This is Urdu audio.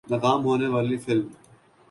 ناکام ہونے والی فلم